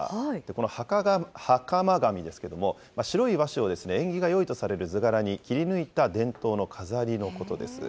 このはかま紙ですけども、白い和紙を縁起がよいとされる図柄に切り抜いた伝統の飾りのことです。